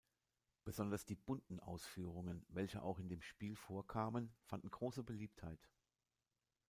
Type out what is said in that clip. Besonders die bunten Ausführungen, welche auch in dem Spiel vorkamen, fanden große Beliebtheit.